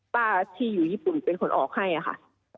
ป้าที่อยู่ญี่ปุ่นเป็นคนออกให้ค่ะ